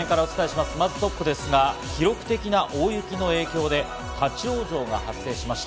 まずトップですが、記録的な大雪の影響で立ち往生が発生しました。